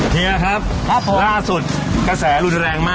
เฮียครับ